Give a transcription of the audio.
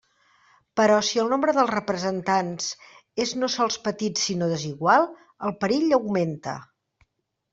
Però si el nombre dels representats és no sols petit sinó desigual, el perill augmenta.